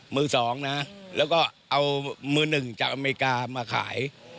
มือสองนะแล้วก็เอามือหนึ่งจากอเมริกามาขาย